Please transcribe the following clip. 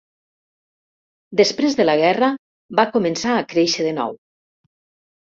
Després de la guerra va començar a créixer de nou.